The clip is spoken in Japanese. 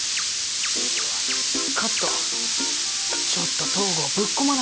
カットちょっと東郷ぶっこまないでよ